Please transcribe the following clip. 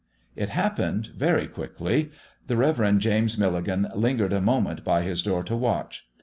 It happened very quickly. The Rev. James Milligan lingered a moment by his door to watch.